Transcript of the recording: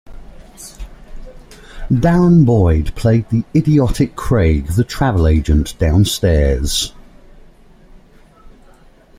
Darren Boyd played the idiotic Craig, the travel agent downstairs.